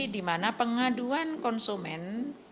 dimana pengaduan konsumen